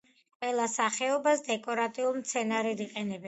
ყველა სახეობას დეკორატიულ მცენარედ იყენებენ.